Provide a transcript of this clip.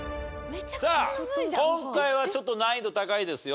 さあ今回はちょっと難易度高いですよ。